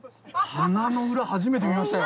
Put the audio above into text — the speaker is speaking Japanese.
鼻の裏初めて見ましたよ！